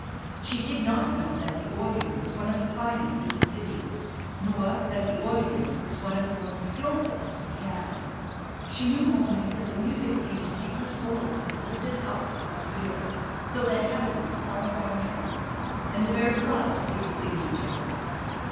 She did not know that the organ was one of the finest in the city, nor that the organist was one of the most skilful to be had; she knew only that the music seemed to take her soul and lift it up above the earth so that heaven was all around her, and the very clouds seemed singing to her.